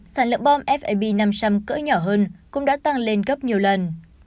sản lượng bom fib năm trăm linh cỡ nhỏ hơn cũng đã tăng lên gấp nhiều lần